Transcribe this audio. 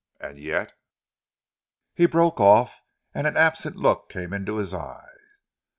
And yet " He broke off, and an absent look came in his eyes.